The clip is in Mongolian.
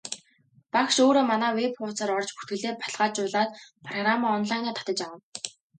Багш өөрөө манай веб хуудсаар орж бүртгэлээ баталгаажуулаад программаа онлайнаар татаж авна.